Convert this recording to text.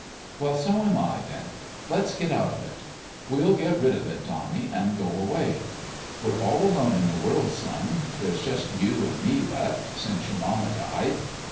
Well, so am I, then. Let's get out of it. We'll get rid of it, Donnie, and go away. We're all alone in the world, son. There's just you and me left since your mama died.